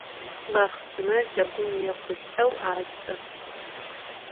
Baxhsımer cegum yêxhulh'eu aş'ı.